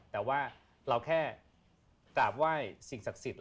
แต่ว่าเราแค่จากว่าสิ่งศักดิ์สิทธิ์